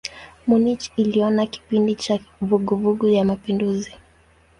Munich iliona kipindi cha vuguvugu ya mapinduzi.